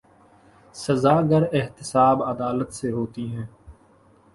سزا اگر احتساب عدالت سے ہوتی ہے۔